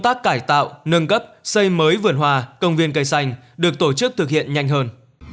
tác cải tạo nâng cấp xây mới vườn hòa công viên cây xanh được tổ chức thực hiện nhanh hơn